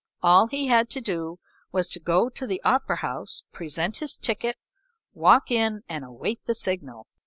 All he had to do was to go to the opera house, present his ticket, walk in and await the signal.